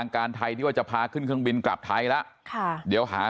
การไทยที่ว่าจะพาขึ้นเครื่องบินกลับไทยแล้วค่ะเดี๋ยวหา